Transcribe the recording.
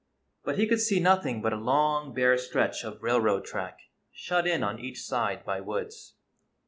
But he could see nothing but a long, bare stretch of railroad track, shut in on each side by woods.